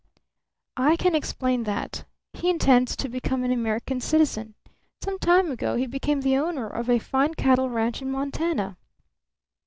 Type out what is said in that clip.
"I can explain that. He intends to become an American citizen. Some time ago he became the owner of a fine cattle ranch in Montana."